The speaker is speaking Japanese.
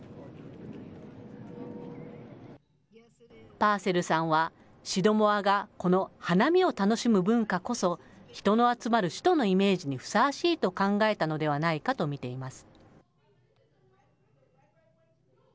パーセルさんはシドモアがこの花見を楽しむ文化こそ、人の集まる首都のイメージにふさわしいと考えたのではないかと見ています。